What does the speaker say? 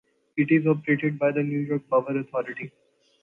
It is operated by the New York Power Authority.